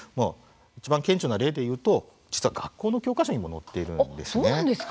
いちばん顕著な例で言うと実は、学校の教科書にも載っているんですね。